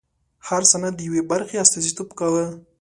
هر سند د یوې برخې استازیتوب کاوه.